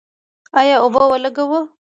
آیا اوبه ولګوو؟